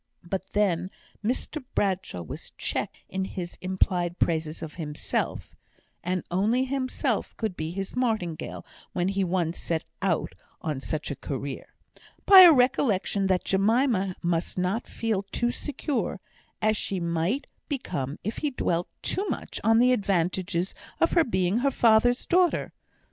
But then Mr Bradshaw was checked in his implied praises of himself (and only himself could be his martingale when he once set out on such a career) by a recollection that Jemima must not feel too secure, as she might become if he dwelt too much on the advantages of her being her father's daughter.